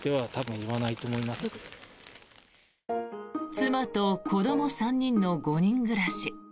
妻と子ども３人の５人暮らし。